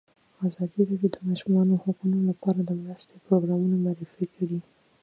ازادي راډیو د د ماشومانو حقونه لپاره د مرستو پروګرامونه معرفي کړي.